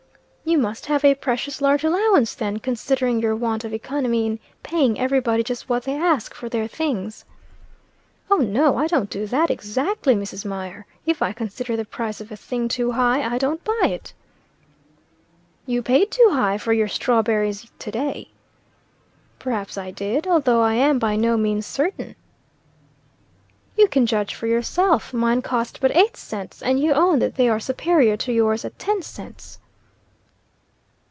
"You must have a precious large allowance, then, considering your want of economy in paying everybody just what they ask for their things." "Oh, no! I don't do that, exactly, Mrs. Mier. If I consider the price of a thing too high, I don't buy it." "You paid too high for your strawberries today." "Perhaps I did; although I am by no means certain." "You can judge for yourself. Mine cost but eight cents, and you own that they are superior to yours at ten cents."